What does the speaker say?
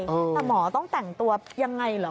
แต่หมอต้องแต่งตัวยังไงเหรอ